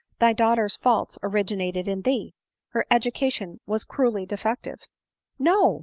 " Thy daughter's faults originated in thee ! her education was cruelly de fective." " No